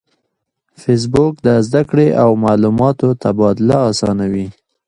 فېسبوک د زده کړې او معلوماتو تبادله آسانوي